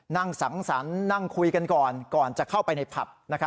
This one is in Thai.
นั่งสังสรรค์นั่งคุยกันก่อนก่อนจะเข้าไปในผับ